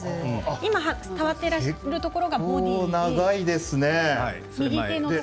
今、触ってらっしゃるところがボディーです。